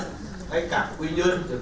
ngay cả quy nhân ngay cả phòng an